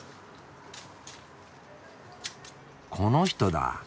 ・この人だ。